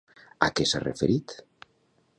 A què s'ha referit?